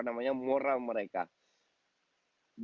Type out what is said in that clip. dari jadinya mereka tidak bisa menang